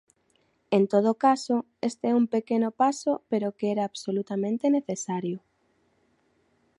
En todo caso, este é un pequeno paso pero que era absolutamente necesario.